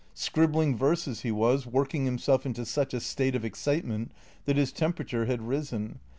Scribbling verses, he was, working him self into such a state of excitement that his temperature had risen.